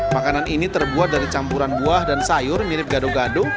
makanan ini terbuat dari campuran buah dan sayur mirip gado gado